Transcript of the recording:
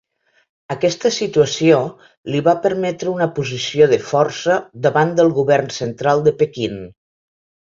Aquesta situació li va permetre una posició de força davant del Govern Central de Pequín.